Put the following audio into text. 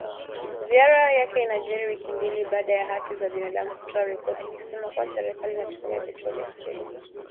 Ziara yake inajiri wiki mbili baada ya haki za binadamu kutoa ripoti ikisema kuwa serikali inatumia vituo vya siri